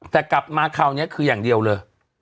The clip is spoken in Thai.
ต่อไปอย่างเดียวเลย